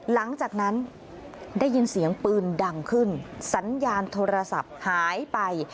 หลังจากนั้นได้ยินเสียงปืนดังขึ้นสัญญาณโทรศัพท์หายไป